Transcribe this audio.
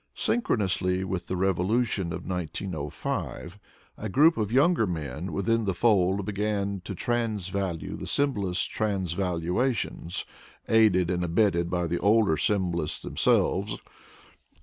Synchronously with the revolution of 1905 a group of younger men within the fold began to transvalue the symbolists' transvaluations, aided and abetted by the older symbolists themselves.